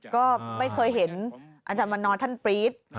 ก็ไม่เคยเห็นอาจารย์วันนอร์ท่านปรี๊ด